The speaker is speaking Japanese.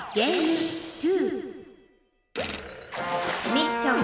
ミッション。